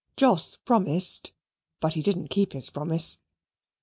Jos promised, but didn't keep his promise.